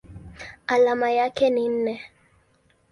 Alama yake ni Ne.